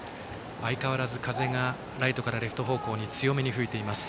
相変わらず風がライトからレフト方向に強めに吹いています。